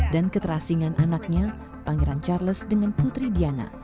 dan keterasingan anaknya pangeran charles dengan putri diana